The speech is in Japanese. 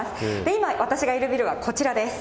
今、私がいるビルはこちらです。